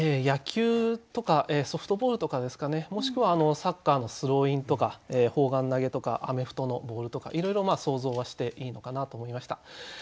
野球とかソフトボールとかですかねもしくはサッカーのスローインとか砲丸投げとかアメフトのボールとかいろいろ想像はしていいのかなと思いました。